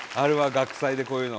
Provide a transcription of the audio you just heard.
学祭でこういうの。